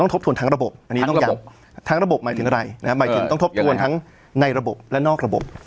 ต้องทบทวนทั้งระบบทั้งระบบทั้งระบบหมายถึงอะไรนะครับหมายถึงต้องทบทวนทั้งในระบบและนอกระบบ